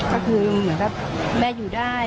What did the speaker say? ก็คือแม่อยู่ได้